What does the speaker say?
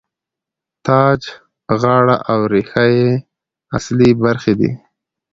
تاج، غاړه او ریښه یې اصلي برخې دي.